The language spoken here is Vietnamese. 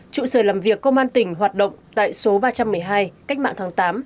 trụ sở làm việc công an tỉnh hoạt động tại số ba trăm một mươi hai cách mạng tháng tám